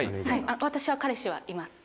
私は彼氏はいます。